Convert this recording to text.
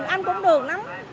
ăn cũng được lắm